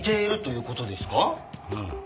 うん。